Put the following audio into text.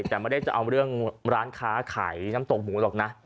แต่ไม่ได้จะเอาเรื่องร้านค้าขายน้ำตกหมูหรอกนะ